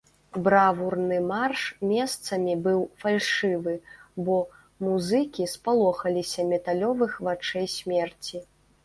Бравурны марш месцамі быў фальшывы, бо музыкі спалохаліся металёвых вачэй смерці.